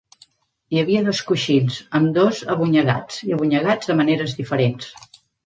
Hi havia dos coixins, ambdós abonyegats, i abonyegats de maneres diferents.